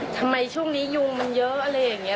ทำไมช่วงนี้ยูงมันเยอะอะไรอย่างนี้